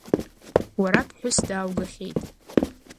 Уара ԥҳәыс дааугахьеит.